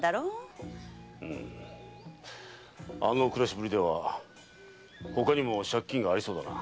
うむあの暮らしぶりでは他にも借金がありそうだな。